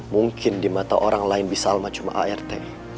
mungkin di mata orang lain bisa alma cuma art